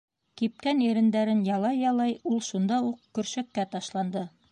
Кипкән ирендәрен ялай-ялай ул шунда уҡ көршәккә ташланды.